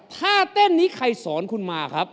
ท่าเต้นนี้ใครสอนคุณมาครับ